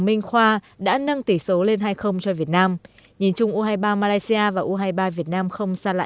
minh khoa đã nâng tỷ số lên hai cho việt nam nhìn chung u hai mươi ba malaysia và u hai mươi ba việt nam không xa lạ